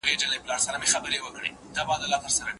ادارې اعلان وکړ چي نوي اصول به پلي سي.